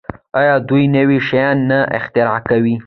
آیا دوی نوي شیان نه اختراع کوي؟